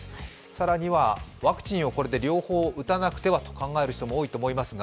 更には、ワクチンをこれで両方打たなくてはと考える人もいると思います。